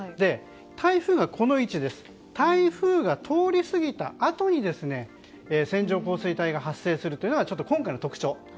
台風がこの位置で台風が通り過ぎたあとに線状降水帯が発生するというのが今回の特徴。